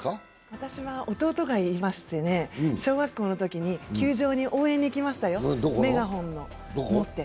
私は弟がいましてね、小学校のときに球場に応援に行きましたよ、メガホンを持って。